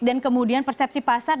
dan kemudian persepsi pasar